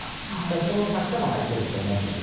その作戦も入っていると思うんですが。